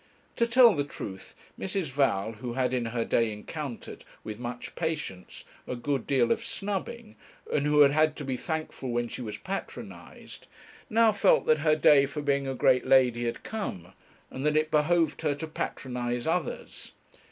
To tell the truth, Mrs. Val, who had in her day encountered, with much patience, a good deal of snubbing, and who had had to be thankful when she was patronized, now felt that her day for being a great lady had come, and that it behoved her to patronize others.